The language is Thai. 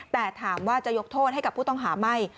แต่ถามว่าจะยกโทษให้กับผู้ต้องหาไม่